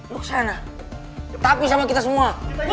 lu kesana tapi sama kita semua